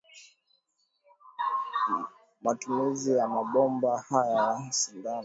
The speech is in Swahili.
a matumizi ya mabomba haya ya sindano